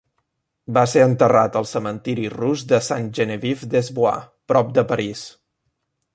Va ser enterrat al cementiri rus de Sainte-Geneviève-des-Bois prop de París.